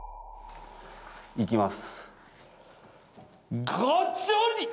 いきます。